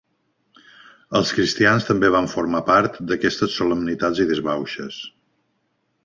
Els cristians també van formar part d'aquestes solemnitats i disbauxes.